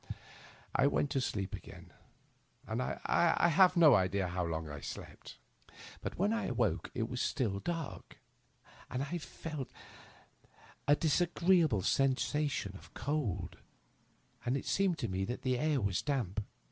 I went to sleep again ; but I have no idea how long I slept. When I awoke it was still quite dark, but 1 felt a dis agreeable sensation of cold, and it seemed to me that the air was damp.